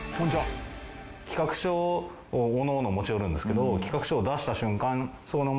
企画書をおのおの持ち寄るんですけど。